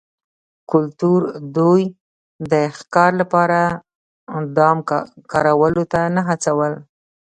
کلتور دوی د ښکار لپاره دام کارولو ته نه هڅول